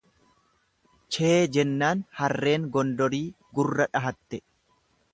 Chee! jennaan Harreen Gondorii gurra dhahatte.